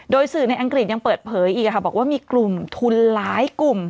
โดยสื่อในอังกฤษยังเปิดเผยอีกบอกว่ามีกลุ่มทุนหลายกลุ่ม